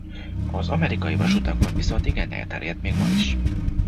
Az amerikai vasutakon viszont igen elterjedt még ma is.